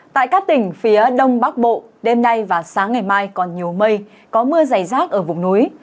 tại các tỉnh phía đông bắc bộ đêm nay và sáng ngày mai còn nhiều mây có mưa dày rác ở vùng núi